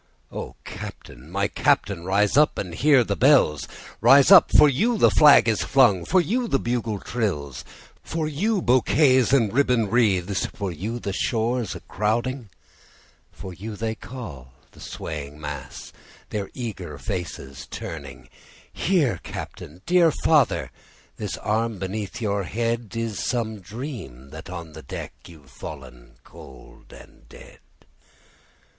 O Captain! my Captain! rise up and hear the bells; Rise up for you the flag is flung for you the bugle trills, For you bouquets and ribbon'd wreaths for you the shores a crowding, For you they call, the swaying mass, their eager faces turning; Here Captain! dear father! This arm beneath your head! It is some dream that on the deck, You've fallen cold and dead.